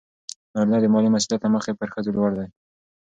نارینه د مالي مسئولیت له مخې پر ښځو لوړ دی.